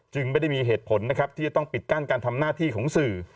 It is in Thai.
ไม่ได้มีเหตุผลนะครับที่จะต้องปิดกั้นการทำหน้าที่ของสื่อ